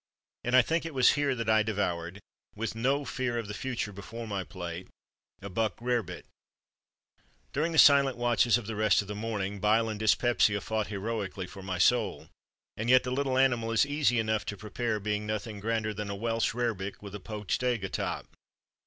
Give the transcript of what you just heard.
And I think it was here that I devoured, with no fear of the future before my plate, a Buck Rarebit. During the silent watches of the rest of the morning, bile and dyspepsia fought heroically for my soul; and yet the little animal is easy enough to prepare, being nothing grander than a Welsh rarebit, with a poached egg atop.